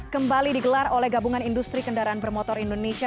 kembali digelar oleh gabungan industri kendaraan bermotor indonesia